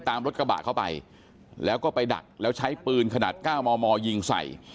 ตามรถกระบะเข้าไปแล้วก็ไปดักแล้วใช้ปืนขนาด๙มมยิงใส่